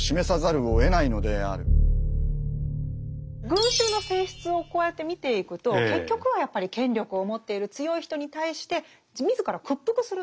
群衆の性質をこうやって見ていくと結局はやっぱり権力を持っている強い人に対して自ら屈服するという。